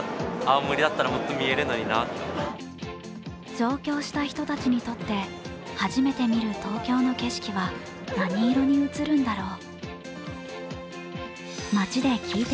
上京した人たちにとって初めて見る東京の景色は何色に映るんだろう。